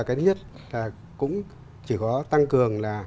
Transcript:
cái thứ nhất là cũng chỉ có tăng cường là